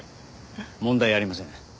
問題ありません。